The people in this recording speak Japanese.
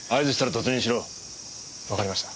わかりました。